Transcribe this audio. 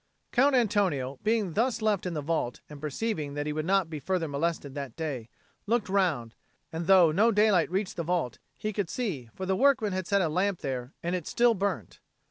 Count Antonio, being thus left in the vault, and perceiving that he would not be further molested that day, looked round; and though no daylight reached the vault, he could see, for the workmen had set a lamp there and it still burnt.